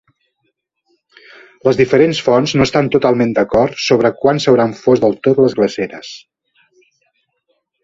Les diferents fonts no estan totalment d'acord sobre quan s'hauran fos del tot les glaceres.